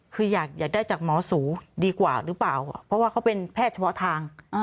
คืออยากได้จากหมอสูดีกว่าหรือเปล่าเพราะว่าเขาเป็นแพทย์เฉพาะทาง